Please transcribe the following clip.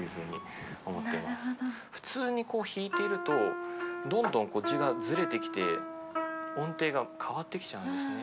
普通にこう弾いているとどんどんこっちがずれてきて音程が変わってきちゃうんですね。